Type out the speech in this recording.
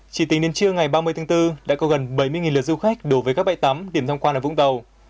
chỉ tính đến trưa ngày ba mươi tháng bốn đã có gần bảy mươi lượt du khách đổ về các bãi tắm điểm thăm quan ở vũng tàu